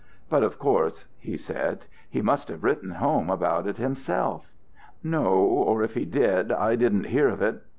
"But, of course," he said, "he must have written home about it himself." "No, or if he did, I didn't hear of it.